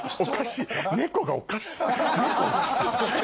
『ねこ』がおかしい。